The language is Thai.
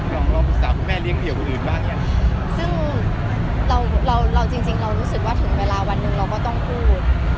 ลองลองปรึกษาคุณแม่เลี้ยเดี่ยวคนอื่นบ้างเนี่ยซึ่งเราเราจริงจริงเรารู้สึกว่าถึงเวลาวันหนึ่งเราก็ต้องพูด